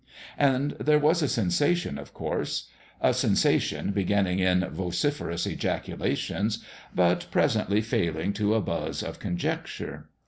And there was a sensation, of course a sensation beginning in vociferous ejaculations, but presently failing to a buzz of conjecture.